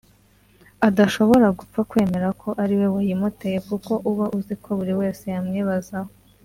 adashobora gupfa kwemera ko ari we wayimuteye kuko uba uzi ko buri wese yamwibazaho